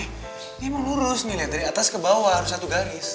ini emang lurus nih liat dari atas ke bawah harus satu garis